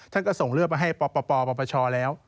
ท่านก็ส่งเลือดมาให้ปปปชแล้ว